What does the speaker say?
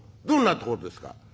どんなとこですか？」。